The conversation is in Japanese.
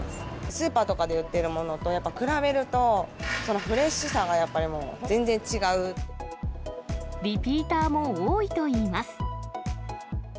スーパーとかで売っているものと、やっぱ比べると、フレッシュさがリピーターも多いといいます。